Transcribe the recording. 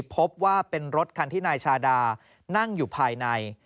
พบว่าเป็นรถคันที่นายชาดานั่งอยู่ภายใน